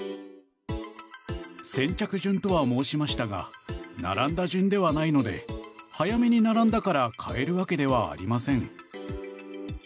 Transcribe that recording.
先着順とは申しましたが並んだ順ではないので早めに並んだから買えるわけではありません。